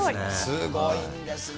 すごいんですね。